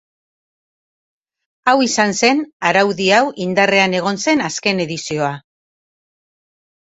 Hau izan zen araudi hau indarrean egon zen azken edizioa.